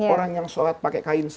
orang yang sholat pakai kain